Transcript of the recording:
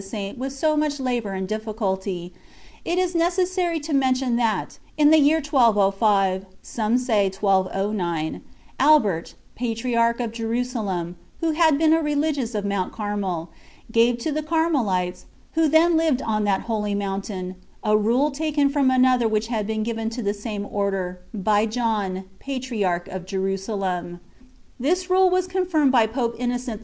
IX Saint with so mncli labour and difficulty, it is necessary to mention that, in the year 1205 (some say 1209), Albert, Patriarch of Jerusalem, who had been a Beli gious of Mount Carmel, gave to the Carmelites, who then lived on that holy mountain, a rule taken from another which had been given to the same Order, by John, Patriarch of JerusalenL This rule was con firmed by Pope Innocent IV.